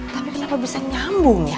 tapi kenapa bisa nyambung ya